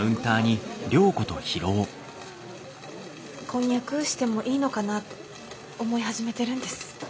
婚約してもいいのかなと思い始めてるんです。